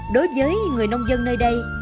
đối với người nông dân nơi đây